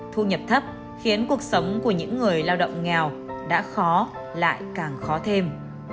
thu nhập thấp khiến cuộc sống của những người lao động nghèo đã khó lại càng khó thêm